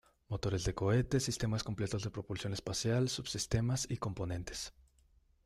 Motores de cohetes, sistemas completos de propulsión espacial, sub-sistemas y componentes.